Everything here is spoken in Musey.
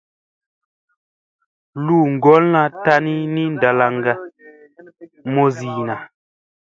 Luu ngolla tani ni ndalanga musinna.